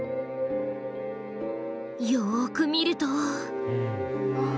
よく見ると。